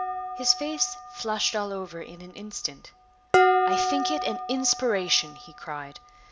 His face flushed all over in an instant. "I think it an inspiration!" he cried.